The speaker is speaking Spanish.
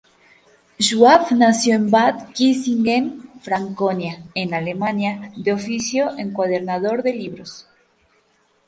Schwab nació en Bad Kissingen, Franconia en Alemania, de oficio encuadernador de libros.